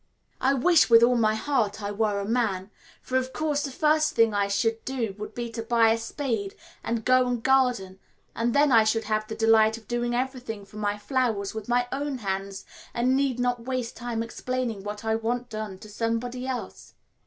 I wish with all my heart I were a man, for of course the first thing I should do would be to buy a spade and go and garden, and then I should have the delight of doing everything for my flowers with my own hands and need not waste time explaining what I want done to somebody else.